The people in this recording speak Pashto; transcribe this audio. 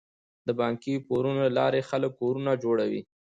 د بانکي پورونو له لارې خلک کورونه جوړوي.